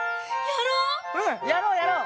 やろうやろう！